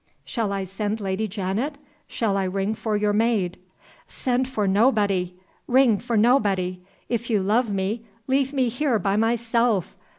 "Shall I send Lady Janet? Shall I ring for your maid?" "Send for nobody! ring for nobody! If you love me leave me here by myself!